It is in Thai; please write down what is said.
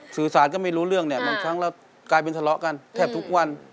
สื่อสารก็ไม่รู้เรื่องเนี่ยบางครั้งแล้วกลายเป็นทะเลาะกันแทบทุกวัน